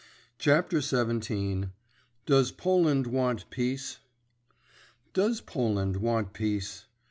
CHAPTER XVII—DOES POLAND WANT PEACE? Does Poland want peace?